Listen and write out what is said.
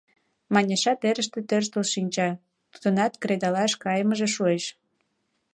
Маняша терыште тӧрштыл шинча, тудынат кредалаш кайымыже шуэш.